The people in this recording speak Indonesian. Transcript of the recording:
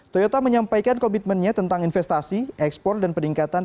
toyota menyampaikan komitmennya tentang investasi ekspor dan peningkatan